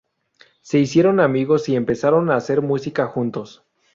Se hicieron amigos y empezaron a hacer música juntos.